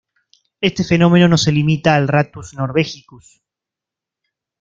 Este fenómeno no se limita al "Rattus norvegicus".